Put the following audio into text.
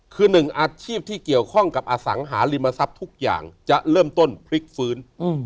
คือหนึ่งอาชีพที่เกี่ยวข้องกับอสังหาริมทรัพย์ทุกอย่างจะเริ่มต้นพลิกฟื้น